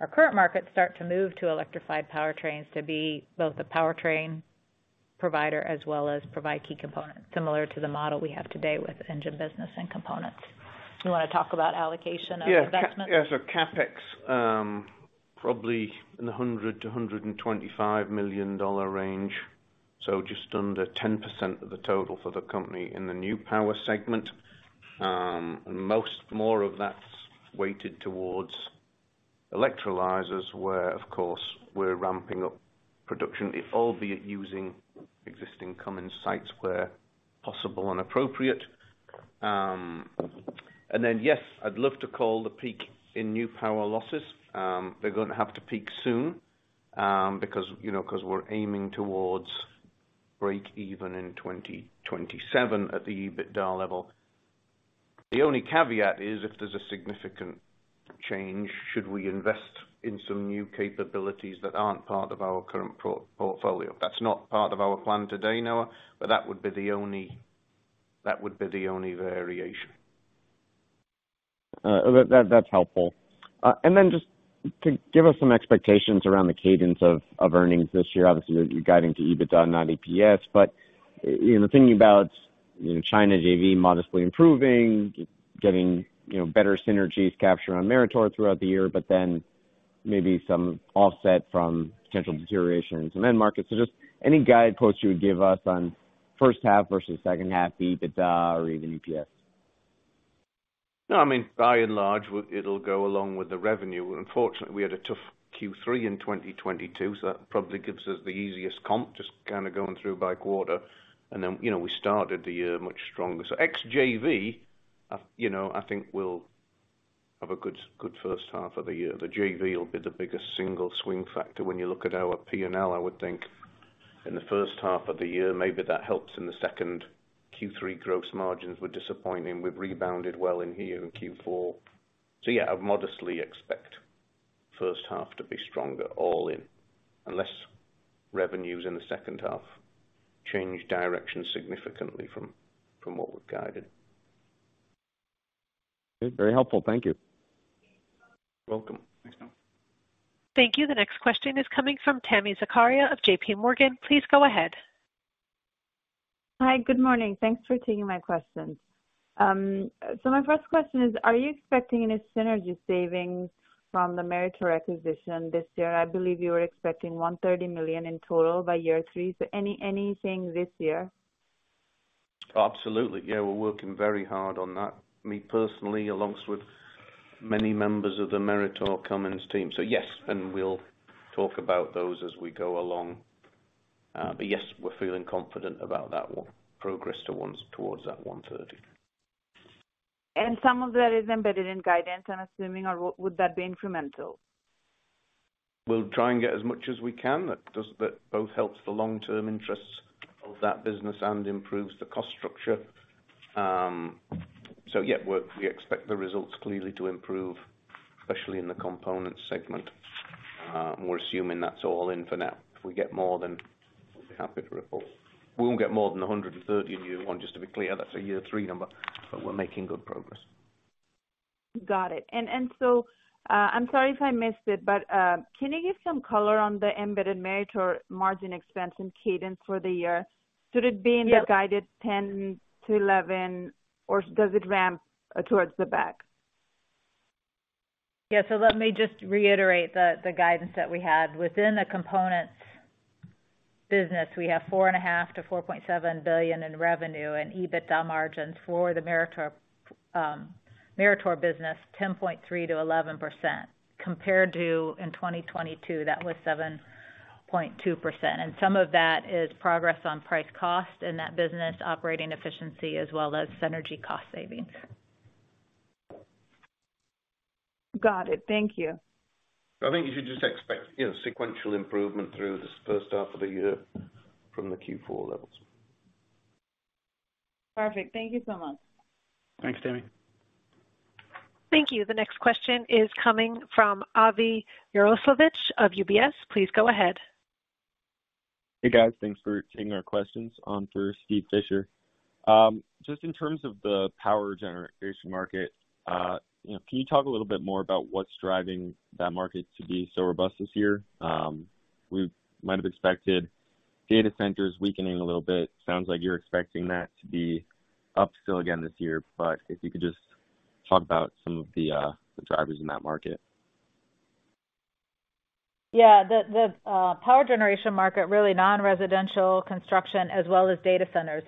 our current markets start to move to electrified powertrains to be both a powertrain provider as well as provide key components, similar to the model we have today with engine business and components. Do you wanna talk about allocation of investment? CapEx, probably in the $100 million-$125 million range. Just under 10% of the total for the company in the New Power segment. Most of that's weighted towards electrolyzers, where, of course, we're ramping up production, albeit using existing common sites where possible and appropriate. Yes, I'd love to call the peak in New Power losses. They're gonna have to peak soon, because, you know, 'cause we're aiming towards breakeven in 2027 at the EBITDA level. The only caveat is if there's a significant change, should we invest in some new capabilities that aren't part of our current portfolio. That's not part of our plan today, Noah, that would be the only variation. That's helpful. Just to give us some expectations around the cadence of earnings this year. Obviously, you're guiding to EBITDA, not EPS, but, you know, thinking about, you know, China JV modestly improving, getting, you know, better synergies captured on Meritor throughout the year, but then maybe some offset from potential deterioration in some end markets. Just any guide posts you would give us on first half versus second half EBITDA or even EPS? I mean, by and large, it'll go along with the revenue. Unfortunately, we had a tough Q3 in 2022, so that probably gives us the easiest comp, just kinda going through by quarter. You know, we started the year much stronger. Ex JV, you know, I think we'll have a good first half of the year. The JV will be the biggest single swing factor when you look at our PNL, I would think, in the first half of the year. Maybe that helps in the second. Q3 gross margins were disappointing. We've rebounded well in here in Q4. Yeah, I modestly expect first half to be stronger all in, unless revenues in the second half change direction significantly from what we've guided. Very helpful. Thank you. Welcome. Thanks Noah. Thank you. The next question is coming from Tami Zakaria of JPMorgan. Please go ahead. Hi, good morning. Thanks for taking my questions. My first question is, are you expecting any synergy savings from the Meritor acquisition this year? I believe you were expecting $130 million in total by year three. Anything this year? Absolutely. Yeah, we're working very hard on that. Me personally, alongside many members of the Meritor Cummins team. Yes, we'll talk about those as we go along. Yes, we're feeling confident about that one, progress towards that 130. Some of that is embedded in guidance, I'm assuming, or would that be incremental? We'll try and get as much as we can. That both helps the long-term interests of that business and improves the cost structure. Yeah, we expect the results clearly to improve, especially in the component segment. We're assuming that's all in for now. If we get more then we'll be happy to report. We won't get more than 130 in year one just to be clear. That's a year three number. We're making good progress. Got it. I'm sorry if I missed it, but can you give some color on the embedded Meritor margin expense and cadence for the year? Should it be in the guided 10%-11%, or does it ramp towards the back? Let me just reiterate the guidance that we had. Within the components business, we have $4.5 billion-$4.7 billion in revenue and EBITDA margins for the Meritor business, 10.3%-11%. Compared to in 2022, that was 7.2%. Some of that is progress on price cost in that business, operating efficiency, as well as synergy cost savings. Got it. Thank you. I think you should just expect, you know, sequential improvement through this first half of the year from the Q4 levels. Perfect. Thank you so much. Thanks Tami. Thank you. The next question is coming from Avi Jaroslawicz of UBS. Please go ahead. Hey guys. Thanks for taking our questions. On for Steven Fisher. Just in terms of the power generation market, you know, can you talk a little bit more about what's driving that market to be so robust this year? We might have expected data centers weakening a little bit. Sounds like you're expecting that to be up still again this year, but if you could just talk about some of the drivers in that market. The power generation market, really non-residential construction as well as data centers.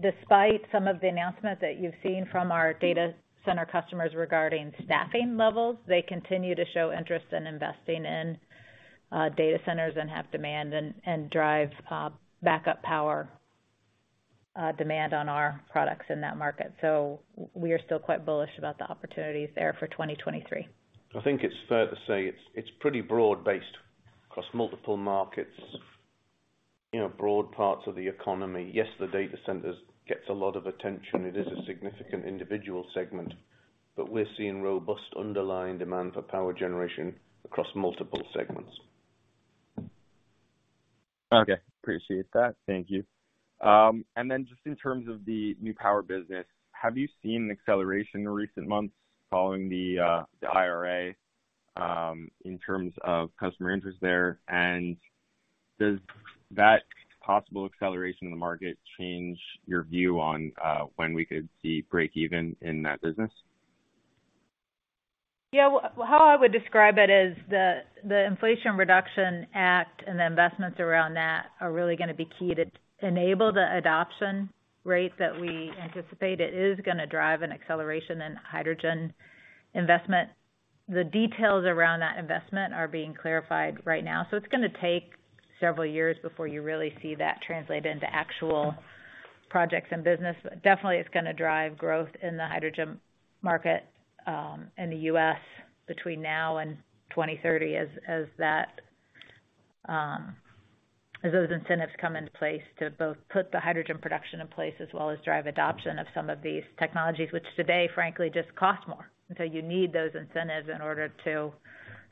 Despite some of the announcements that you've seen from our data center customers regarding staffing levels, they continue to show interest in investing in data centers and have demand and drive backup power demand on our products in that market. We are still quite bullish about the opportunities there for 2023. I think it's fair to say it's pretty broad-based across multiple markets, you know, broad parts of the economy. Yes, the data centers gets a lot of attention. It is a significant individual segment. We're seeing robust underlying demand for power generation across multiple segments. Okay. Appreciate that. Thank you. Just in terms of the New Power business, have you seen an acceleration in recent months following the IRA in terms of customer interest there? Does that possible acceleration in the market change your view on when we could see break even in that business? Yeah. well, how I would describe it is the Inflation Reduction Act and the investments around that are really gonna be key to enable the adoption rate that we anticipate. It is gonna drive an acceleration in hydrogen investment. The details around that investment are being clarified right now, so it's gonna take several years before you really see that translate into actual projects and business. Definitely it's gonna drive growth in the hydrogen market in the U.S. between now and 2030 as those incentives come into place to both put the hydrogen production in place as well as drive adoption of some of these technologies, which today, frankly, just cost more. You need those incentives in order to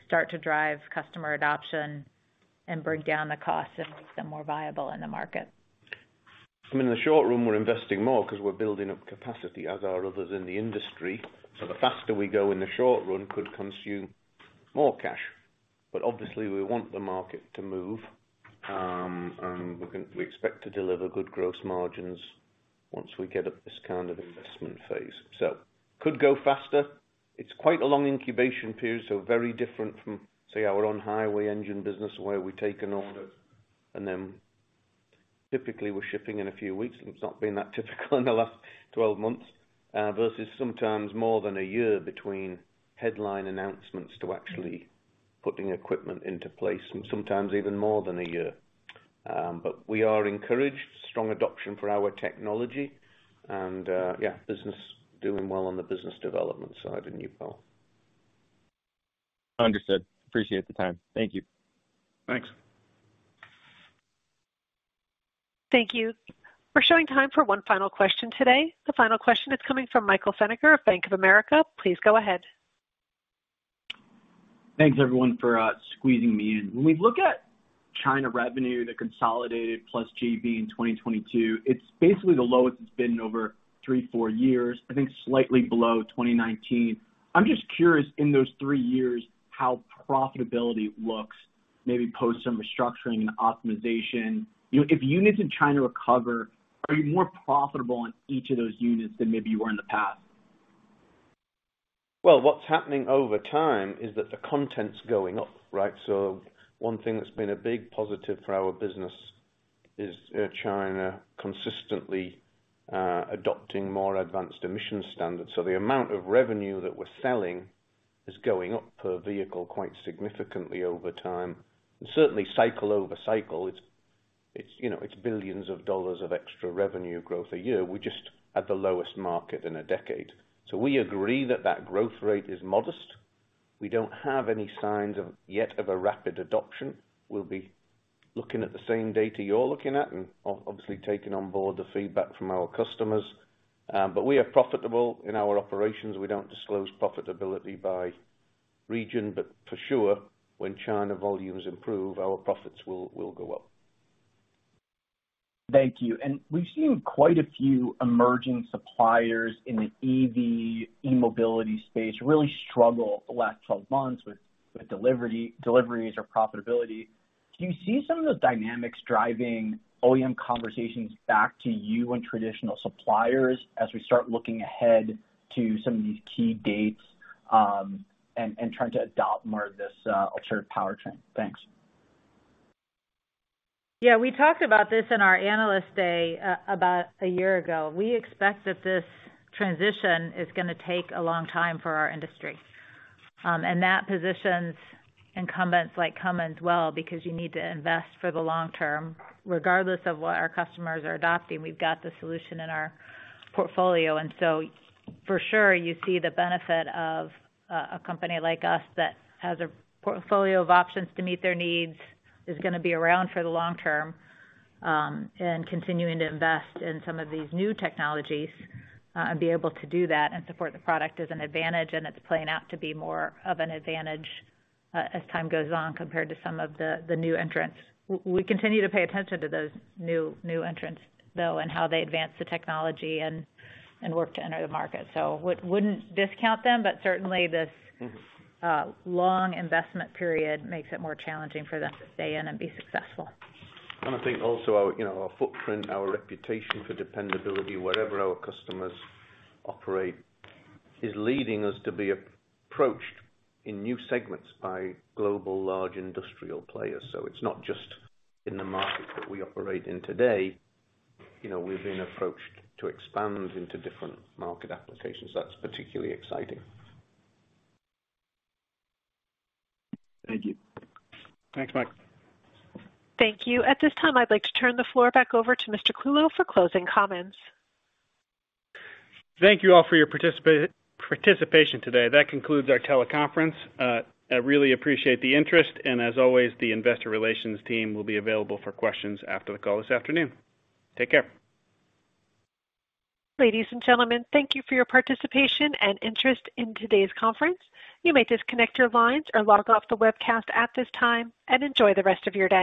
start to drive customer adoption and bring down the costs and make them more viable in the market. I mean in the short run, we're investing more because we're building up capacity, as are others in the industry. The faster we go in the short run could consume more cash. Obviously we want the market to move, and we expect to deliver good gross margins once we get up this kind of investment phase. Could go faster. It's quite a long incubation period, so very different from, say, our on-highway engine business, where we take an order and then typically we're shipping in a few weeks. It's not been that typical in the last 12 months, versus sometimes more than a year between headline announcements to actually putting equipment into place, and sometimes even more than a year. We are encouraged, strong adoption for our technology and business doing well on the business development side in New Power. Understood. Appreciate the time. Thank you. Thanks. Thank you. We're showing time for one final question today. The final question is coming from Michael Feniger of Bank of America. Please go ahead. Thanks everyone for squeezing me in. When we look at China revenue, the consolidated plus GB in 2022, it's basically the lowest it's been in over three, four years. I think slightly below 2019. I'm just curious in those 3 years how profitability looks, maybe post some restructuring and optimization. You know, if units in China recover, are you more profitable on each of those units than maybe you were in the past? What's happening over time is that the content's going up, right? One thing that's been a big positive for our business is China consistently adopting more advanced emission standards. The amount of revenue that we're selling is going up per vehicle quite significantly over time. Certainly cycle over cycle, it's, you know, it's billions of dollars of extra revenue growth a year. We're just at the lowest market in a decade. We agree that that growth rate is modest. We don't have any signs yet of a rapid adoption. We'll be looking at the same data you're looking at and obviously taking on board the feedback from our customers. We are profitable in our operations. We don't disclose profitability by region, for sure, when China volumes improve, our profits will go up. Thank you. We've seen quite a few emerging suppliers in the EV, e-mobility space really struggle the last 12 months with deliveries or profitability. Do you see some of the dynamics driving OEM conversations back to you and traditional suppliers as we start looking ahead to some of these key dates, and trying to adopt more of this alternative powertrain? Thanks. Yeah, we talked about this in our Analyst Day about a year ago. We expect that this transition is gonna take a long time for our industry. That positions incumbents like Cummins well because you need to invest for the long term. Regardless of what our customers are adopting, we've got the solution in our portfolio. For sure, you see the benefit of a company like us that has a portfolio of options to meet their needs, is gonna be around for the long term, and continuing to invest in some of these new technologies and be able to do that and support the product is an advantage, and it's playing out to be more of an advantage as time goes on compared to some of the new entrants. We continue to pay attention to those new entrants, though, and how they advance the technology and work to enter the market. Wouldn't discount them, but certainly this. Mm-hmm long investment period makes it more challenging for them to stay in and be successful. I think also our, you know, our footprint, our reputation for dependability wherever our customers operate, is leading us to be approached in new segments by global large industrial players. It's not just in the market that we operate in today. You know, we've been approached to expand into different market applications. That's particularly exciting. Thank you. Thanks, Mike. Thank you. At this time, I'd like to turn the floor back over to Mr. Clulow for closing comments. Thank you all for your participation today. That concludes our teleconference. I really appreciate the interest. As always, the investor relations team will be available for questions after the call this afternoon. Take care. Ladies and gentlemen, thank you for your participation and interest in today's conference. You may disconnect your lines or log off the webcast at this time, and enjoy the rest of your day.